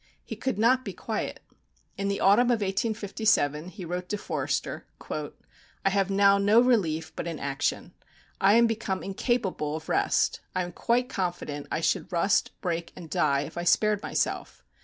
He could not be quiet. In the autumn of 1857 he wrote to Forster, "I have now no relief but in action. I am become incapable of rest. I am quite confident I should rust, break, and die if I spared myself.